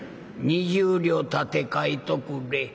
「２０両立て替えとくれ」。